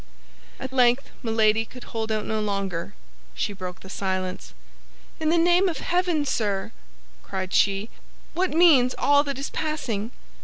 At length Milady could hold out no longer; she broke the silence. "In the name of heaven, sir," cried she, "what means all that is passing?